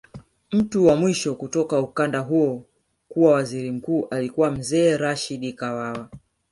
Mtu wa mwisho kutoka ukanda huo kuwa waziri mkuu alikuwa Mzee Rashid Kawawa